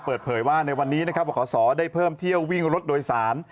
เปิดเผยว่าในวันนี้นะครับบขศได้เพิ่มเที่ยววิ่งรถโดยสาร